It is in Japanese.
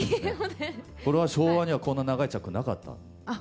これは昭和にはこんな長いチャックなかったんですよ。